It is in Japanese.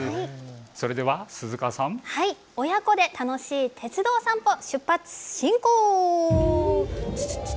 それでは鈴川さん、親子で楽しい鉄道散歩、出発進行！